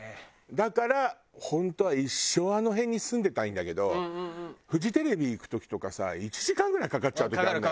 だから本当は一生あの辺に住んでたいんだけどフジテレビ行く時とかさ１時間ぐらいかかっちゃう時あるのよ。